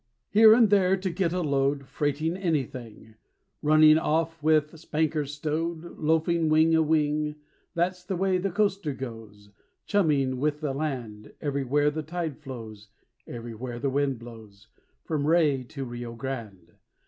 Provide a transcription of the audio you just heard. __Here and there to get a load, Freighting anything; Running off with spanker stowed, Loafing wing a wing That's the way the Coaster goes, Chumming with the land: Everywhere the tide flows, Everywhere the wind blows, From Ray to Rio Grande.